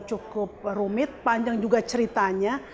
dan cukup rumit panjang juga ceritanya